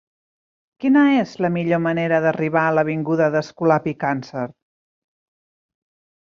Quina és la millor manera d'arribar a l'avinguda d'Escolapi Càncer?